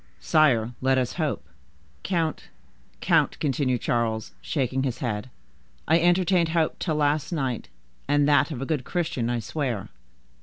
"Sire, let us hope." "Count, count," continued Charles, shaking his head, "I entertained hope till last night, and that of a good Christian, I swear."